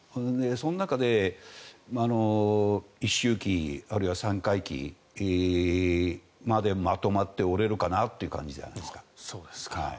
その中で、一周忌あるいは三回忌までまとまっておれるかなという感じじゃないですか。